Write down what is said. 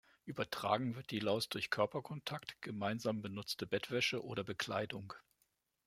Übertragen wird die Laus durch Körperkontakt, gemeinsam benutzte Bettwäsche oder Bekleidung.